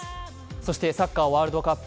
そしてサッカーワールドカップ